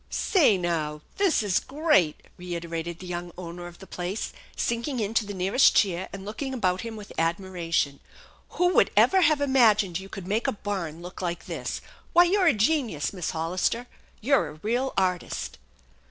" Say, now, this is great !" reiterated the young owner ol the place, sinking into the nearest chair and looking about THE ENCHANTED BARN 109 him with admiration. " Who would ever have imagined you could make a barn look like this? Why, you're a genius, Miss Hollister. You're a real artist."